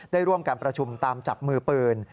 ได้ร่วมการประชุมตามจับมือปืน